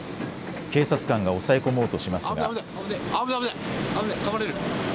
警察官が抑え込もうとしますが。